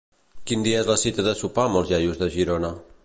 Quin dia és la cita de sopar amb els iaios de Girona?